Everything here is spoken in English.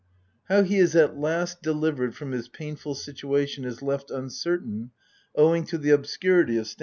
How he is at last delivered from his painful situation is left uncertain, owing to the obscurity of sts.